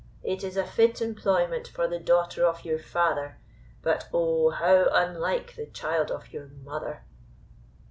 It is a fit employment for the daughter of your father; but O how unlike the child of your mother!"